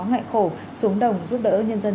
ngại khổ xuống đồng giúp đỡ nhân dân